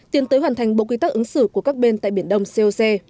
tiến tới hoàn thành bộ quy tắc ứng xử của các bên tại biển đông coc